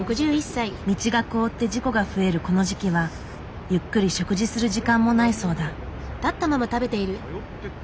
道が凍って事故が増えるこの時期はゆっくり食事する時間もないそうだ。